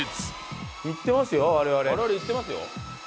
我々行ってますよ。